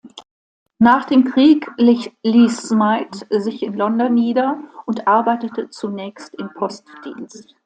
Nach dem Krieg ließ Smythe sich in London nieder und arbeitete zunächst im Postdienst.